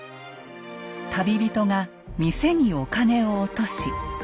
旅人が店にお金を落とし